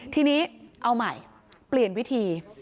ทีนี้เอาใหม่เปลี่ยนวิธี